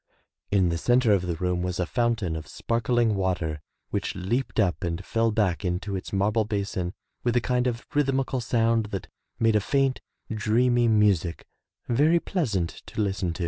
In the center of the room was a fountain of sparkling water which leaped up and fell back into its marble basin with a kind of rhythmical sound that made a faint, dreamy music very pleas ant to listen to.